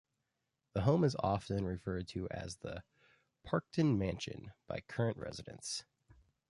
The home is often referred to as the Parkton Mansion by current residents.